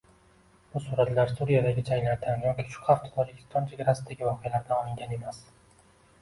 Bu suratlar Suriyadagi janglardan yoki shu hafta Tojikiston chegarasidagi voqealardan olingan emas